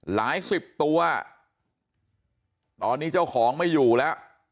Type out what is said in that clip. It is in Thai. สิบตัวตอนนี้เจ้าของไม่อยู่แล้ว